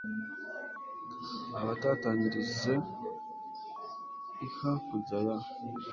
abatatanyirize i hakurya ya